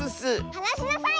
はなしなさい！